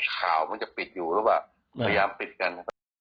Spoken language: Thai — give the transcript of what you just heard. ข่าวมันจะปิดอยู่หรือเปล่าพยายามปิดกันนะครับ